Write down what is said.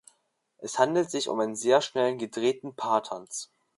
Es handelt sich um einen sehr schnell gedrehten Paartanz.